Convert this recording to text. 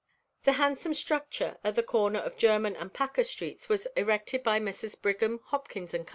The handsome structure at the corner of German and Paca streets was erected by Messrs. Brigham, Hopkins & Co.